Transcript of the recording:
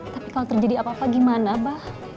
tapi kalau terjadi apa apa gimana abah